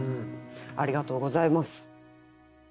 ありがとうございます。